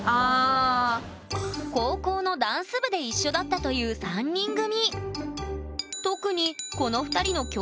高校のダンス部で一緒だったという３人組。